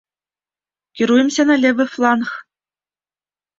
Кіруемся на левы фланг.